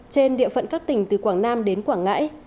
trên địa phận các tỉnh từ quảng nam đến quảng ngãi